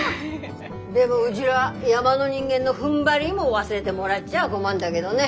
でもうぢら山の人間のふんばりも忘れでもらっちゃ困んだげどね。